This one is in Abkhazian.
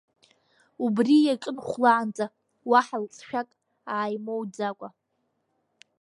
Убри иаҿын хәлаанӡа, уаҳа лҵшәак ааимоуӡакәа.